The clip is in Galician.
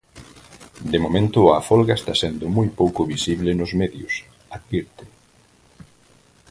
"De momento a folga está sendo moi pouco visible nos medios", advirte.